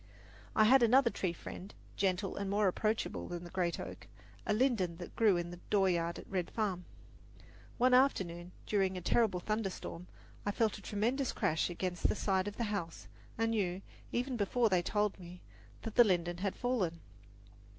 I had another tree friend, gentle and more approachable than the great oak a linden that grew in the dooryard at Red Farm. One afternoon, during a terrible thunderstorm, I felt a tremendous crash against the side of the house and knew, even before they told me, that the linden had fallen.